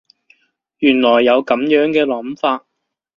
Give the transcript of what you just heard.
原來有噉樣嘅諗法